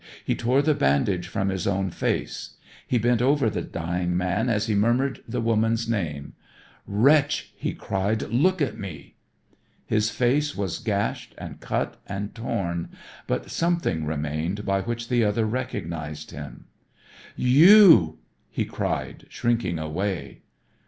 He tore the bandage from his own face. He bent over the dying man as he murmured the woman's name. "Wretch," he cried, "look at me." His face was gashed and cut and torn but something remained by which the other recognized him. "You!" he cried shrinking away.